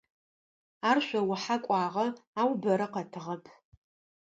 Ар шъоухьэ кӀуагъэ, ау бэрэ къэтыгъэп.